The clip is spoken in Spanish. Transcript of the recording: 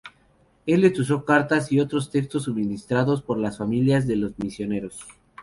Elliot usó cartas y otros textos suministrados por las familias de los misioneros.